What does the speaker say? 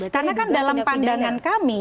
karena kan dalam pandangan kami